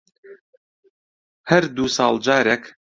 هەر دوو ساڵ جارێک